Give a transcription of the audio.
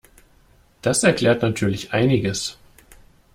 Das erklärt natürlich einiges.